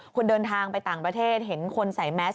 คุณเดินทางไปต่างประเทศเห็นคนใส่แมส